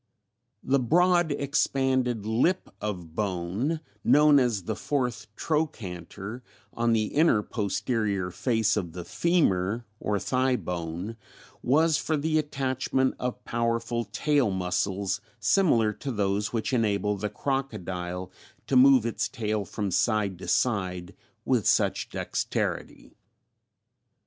The broad expanded lip of bone known as the fourth trochanter, on the inner posterior face of the femur or thigh bone was for the attachment of powerful tail muscles similar to those which enable the crocodile to move its tail from side to side with such dexterity.